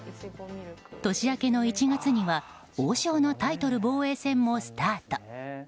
年明けの１月には王将のタイトル防衛戦もスタート。